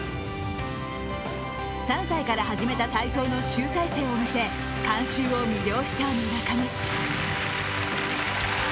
３歳から始めた体操の集大成を見せ、観衆を魅了した村上。